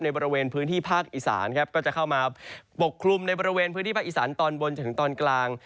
บริเวณพื้นที่ภาคอีสานครับก็จะเข้ามาปกคลุมในบริเวณพื้นที่ภาคอีสานตอนบนจนถึงตอนกลาง